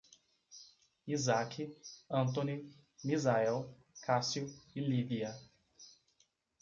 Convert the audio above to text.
Isaque, Antoni, Misael, Cássio e Lívia